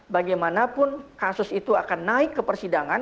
bagaimanapun kasus itu akan naik ke persidangan